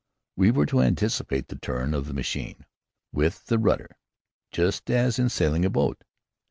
We were to anticipate the turn of the machine with the rudder, just as in sailing a boat.